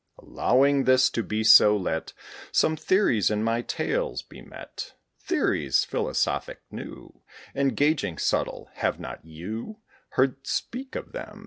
Allowing this to be so, let Some theories in my tales be met: Theories philosophic, new, Engaging, subtle; have not you Heard speak of them?